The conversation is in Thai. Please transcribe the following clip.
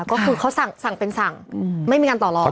ก็คือเขาสั่งเป็นสั่งไม่มีการต่อรอง